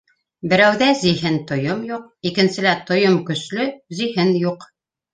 Берәүҙә зиһен - тойом юҡ: икенселә тойом көслө - зиһен юҡ.